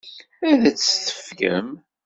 Ad as-tt-tefkem?